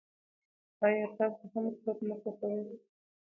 آیا تاسو هم کورت نه خوښیږي.